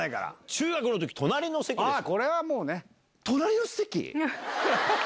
「中学の時隣の席でした」。